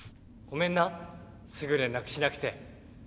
ごめんなすぐ連絡しなくて。